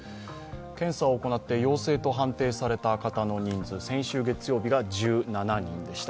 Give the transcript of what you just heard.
検査を行って要請と判定された方の人数、先週月曜日が１７人でした。